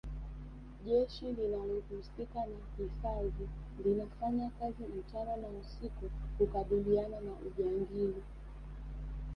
jeshi linalohusika na hifadhi linafanya kazi mchana na usiku kukabililiana na ujangili